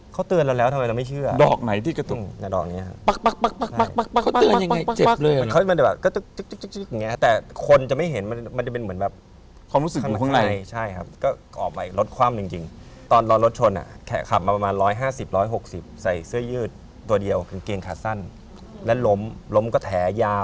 คุณผู้ชมสังเกตเห็นมั้ยฮะ